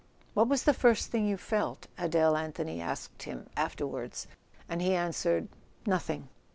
"What was the first thing you felt?" Adele Anthony asked him afterward: and he answered: "Nothing."